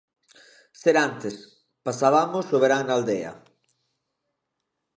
Serantes: Pasabamos o verán na aldea.